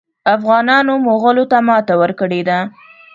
افغانانو مغولو ته ماته ورکړې ده.